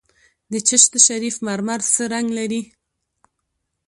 د چشت شریف مرمر څه رنګ لري؟